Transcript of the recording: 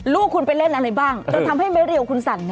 ลูกคุณไปเล่นอะไรบ้างจะทำให้ไม่เรียวคุณสั่น